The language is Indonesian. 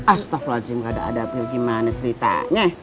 astagfirullahaladzim gak ada adabnya gimana ceritanya